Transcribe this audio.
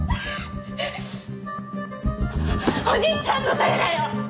お兄ちゃんのせいだよ！